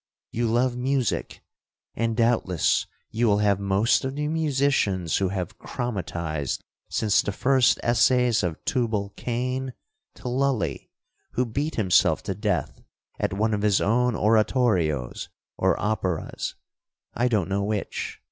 You love music, and doubtless you will have most of the musicians who have chromatized since the first essays of Tubal Cain to Lully, who beat himself to death at one of his own oratorios, or operas, I don't know which.